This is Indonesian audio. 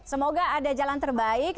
semoga ada jalan terbaik